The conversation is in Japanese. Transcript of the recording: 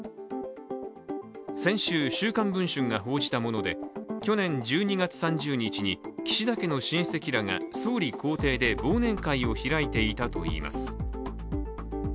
先週、「週刊文春」が報じたもので去年１２月３０日に岸田家の親戚らが総理公邸で忘年会を開いていたといいます。